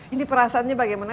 ini perasaannya bagaimana